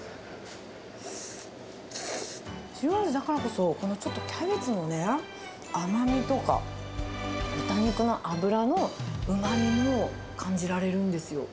塩味だからこそ、このちょっとキャベツのね、甘みとか、豚肉の脂のうまみも感じられるんですよ。